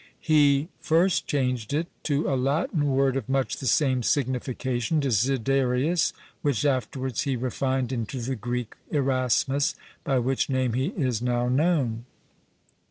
He first changed it to a Latin word of much the same signification, desiderius, which afterwards he refined into the Greek Erasmus, by which name he is now known.